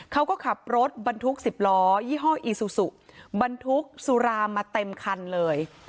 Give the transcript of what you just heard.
เขาก็ขับรถบรรทุก๑๐ล้อยี่ห้ออีซูซูบรรทุกสุรามาเต็มคันเลย